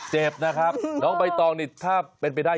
เจ็บนะครับน้องใบตองนี่ถ้าเป็นไปได้